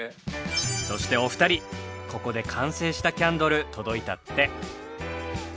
そしてお二人ここで完成したキャンドル届いたって。